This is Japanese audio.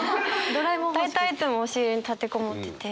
大体いつも押し入れに立てこもってて。